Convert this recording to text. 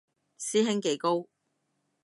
師兄幾高